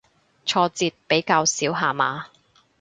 挫折比較少下嘛